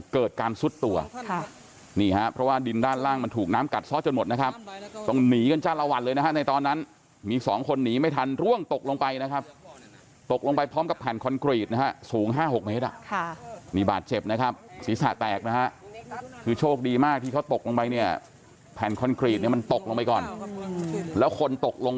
เกิดการซุดตัวค่ะนี่ฮะเพราะว่าดินด้านล่างมันถูกน้ำกัดซ้อจนหมดนะครับต้องหนีกันจ้าละวันเลยนะฮะในตอนนั้นมีสองคนหนีไม่ทันร่วงตกลงไปนะครับตกลงไปพร้อมกับแผ่นคอนกรีตนะฮะสูง๕๖เมตรนี่บาดเจ็บนะครับศีรษะแตกนะฮะคือโชคดีมากที่เขาตกลงไปเนี่ยแผ่นคอนกรีตเนี่ยมันตกลงไปก่อนแล้วคนตกลง